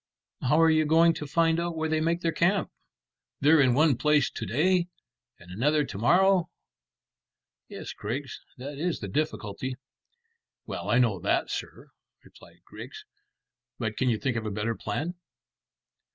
"How are you going to find out where they make their camp? They're in one place to day and another to morrow." "Yes, Griggs, that is the difficulty." "Well, I know that, sir," replied Griggs; "but can you think of a better plan?"